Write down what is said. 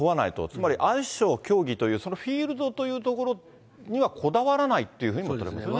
つまりアイスショー、競技という、そのフィールドというところにはこだわらないというふうに取れますよね。